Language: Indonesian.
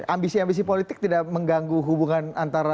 ambisi ambisi politik tidak mengganggu hubungan antara